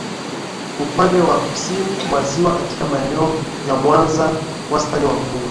Upande wa kusini mwa ziwa katika maeneo ya Mwanza wastani wa mvua